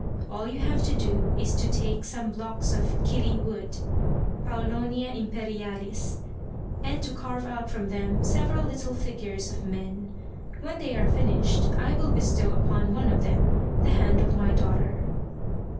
" All you have to do is to take some blocks of /h'n wood [Paulotonia Imperialis] and to carve out from them several little figures of men ; when they are finished I will bestow upon one of them the hand of my daughter."